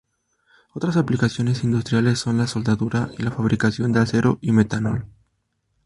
Otras aplicaciones industriales son la soldadura y la fabricación de acero y metanol.